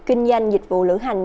kinh doanh dịch vụ lưỡng hành